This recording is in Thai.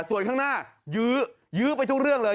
ส่วนข้างหน้ายื้อยื้อไปทุกเรื่องเลย